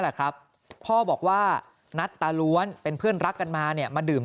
แหละครับพ่อบอกว่านัดตาล้วนเป็นเพื่อนรักกันมาเนี่ยมาดื่ม